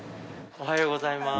おはようございます。